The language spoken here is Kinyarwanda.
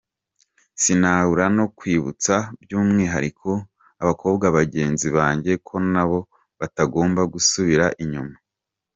Sinabura no kwibutsa by’umwihariko abakobwa bagenzi banjye ko nabo batagomba gusubira inyuma.